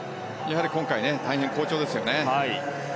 今回、大変好調ですよね。